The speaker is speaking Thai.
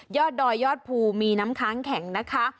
ดอยยอดภูมีน้ำค้างแข็งนะคะ